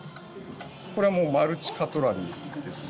これはもうマルチカトラリーです